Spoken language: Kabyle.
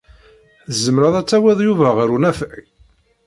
Tzemred ad tawid Yuba ɣer unafag?